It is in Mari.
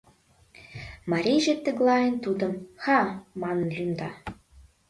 Марийже тыглайын тудым Ха манын лӱмда.